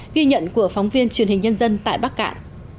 ghi nhận của phóng viên truyền hình nhân dân tại bắc cạn